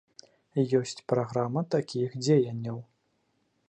Ёсць праграма такіх дзеянняў.